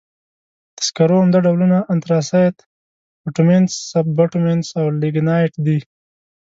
د سکرو عمده ډولونه انترسایت، بټومینس، سب بټومینس او لېګنایټ دي.